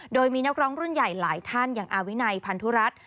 โดยมีนักร้องรุ่นใหญ่หลายท่านอย่างอาวินัยพันธุรัฐ